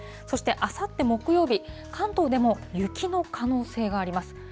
そしてあさって木曜日、関東でも雪の可能性があります。